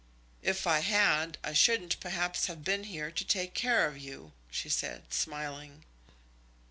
"If I had, I shouldn't, perhaps, have been here to take care of you," she said, smiling.